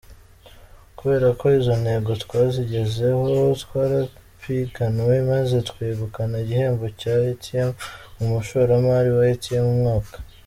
Kubera ko izo ntego twazigezeho, twarapiganwe maze twegukana igihembo cy’umushoramari w’umwaka.